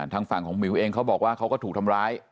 ทางฝั่งของหมิวเองเขาบอกว่าเขาก็ถูกทำร้าย